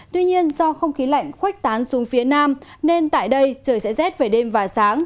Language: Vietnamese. tuy nhiên do không khí lạnh khoách tán xuống phía nam nên tại đây trời sẽ rét về đêm và sáng